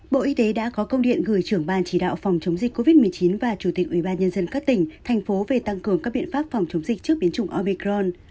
bộ y tế đã có công điện gửi trưởng ban chỉ đạo phòng chống dịch covid một mươi chín và chủ tịch ubnd các tỉnh thành phố về tăng cường các biện pháp phòng chống dịch trước biến chủng obicron